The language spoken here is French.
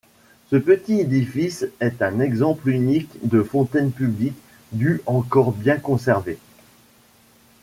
Ce petit édifice est un exemple unique de fontaine publique du encore bien conservée.